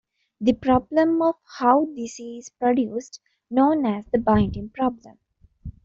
The problem of how this is produced, known as the binding problem.